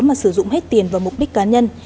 mà sử dụng hết tiền vào mục đích cá nhân